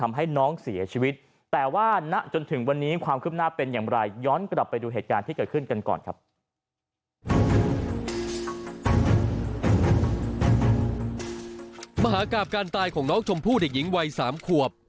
มหากราบการตายของน้องชมพู่เด็กหญิงวัย๓ขวบ